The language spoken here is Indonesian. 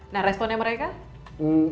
nah responnya mereka